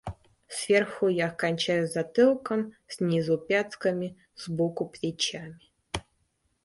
Сверху я кончаюсь затылком, снизу пятками, сбоку плечами.